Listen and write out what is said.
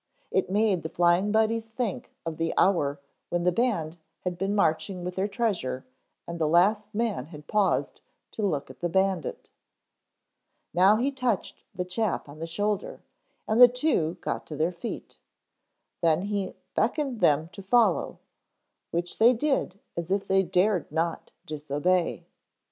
It made the Flying Buddies think of the hour when the band had been marching with their treasure and the last man had paused to look at the bandit. Now he touched the chap on the shoulder and the two got to their feet. Then he beckoned them to follow, which they did as if they dared not disobey.